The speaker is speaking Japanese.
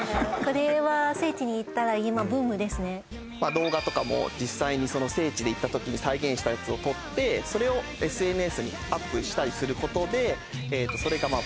動画とかも実際に聖地で行った時に再現したやつを撮ってそれをＳＮＳにアップしたりすることでえとそれがまあ